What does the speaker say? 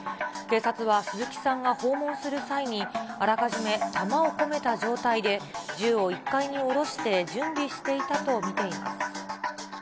警察は、鈴木さんが訪問する際にあらかじめ弾を込めた状態で、銃を１階に下ろして、準備していたと見ています。